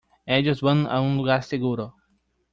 Ellos van a un lugar seguro.